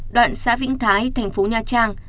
đoạn xã vĩnh thái tp nha trang